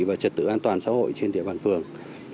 và trật tự an toàn xã hội trên địa bàn phường